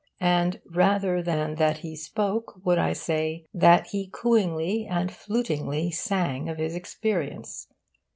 And rather than that he spoke would I say that he cooingly and flutingly sang of his experience.